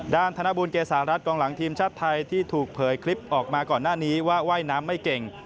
ธนบุญเกษารัฐกองหลังทีมชาติไทยที่ถูกเผยคลิปออกมาก่อนหน้านี้ว่าว่ายน้ำไม่เก่ง